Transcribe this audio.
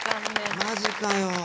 マジかよ。